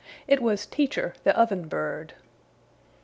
It was Teacher the Oven Bird.